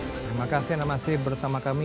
terima kasih anda masih bersama kami